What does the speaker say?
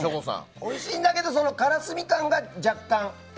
おいしいんだけどからすみ感が若干。